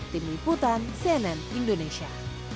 tim liputan cnn indonesia